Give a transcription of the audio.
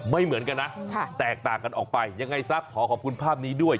ไม่เหมือนกันนะแตกต่างกันออกไปยังไงซะขอขอบคุณภาพนี้ด้วย